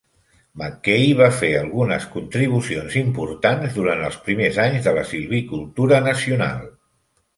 MacKaye va fer algunes contribucions importants durant els primers anys de la silvicultura nacional.